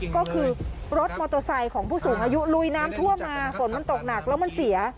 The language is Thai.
ก็คือรถมอเตอร์ไซค์ของผู้สูงอายุลุยน้ำท่วมมาฝนมันตกหนักแล้วมันเสีย